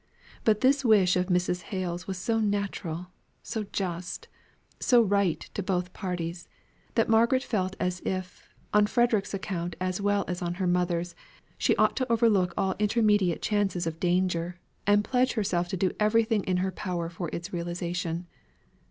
But this wish of Mrs. Hale's was so natural, so just, so right to both parties, that Margaret felt as if, on Frederick's account as well as on her mother's, she ought to overlook all intermediate chances of danger, and pledge herself to do everything in her power for its realization.